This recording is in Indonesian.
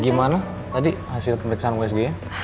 gimana tadi hasil pemeriksaan usg ya